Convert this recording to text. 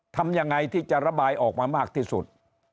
ทำยังไงที่จะระบายออกมามากที่สุด